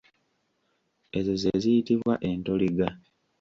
Ezo ze ziyitibwa entoliga.